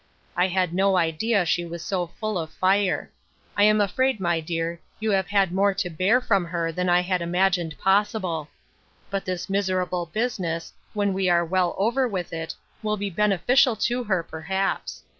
" I had no idea she was so full of fire. I am afraid, my dear, you have had more to bear from her than I had imagined possible. But this miserable business, when we are well over with it, will be beneficial to her, perhaps.